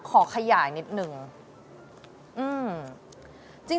ขอขยายนิดนึง